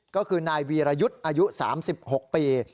ก็คือนายวีรยุทธ์อายุ๓๖ปี